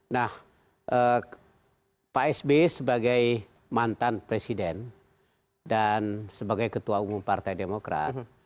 nah pak sby sebagai mantan presiden dan sebagai ketua umum partai demokrat